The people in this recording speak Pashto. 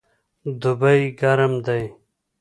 دوبی ګرم دی